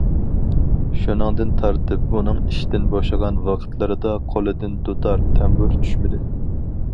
شۇنىڭدىن تارتىپ، ئۇنىڭ ئىشتىن بوشىغان ۋاقىتلىرىدا قولىدىن دۇتار، تەمبۇر چۈشمىدى.